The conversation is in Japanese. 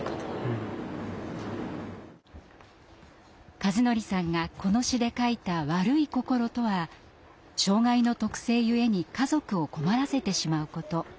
一法さんがこの詩で書いた「悪い心」とは障害の特性ゆえに家族を困らせてしまうこと。